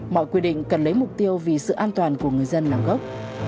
mọi quy định cần lấy mục tiêu vì sự an toàn của người dân làm gốc